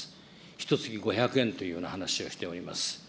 ひとつき５００円というような話をしております。